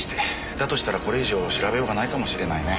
だとしたらこれ以上調べようがないかもしれないね。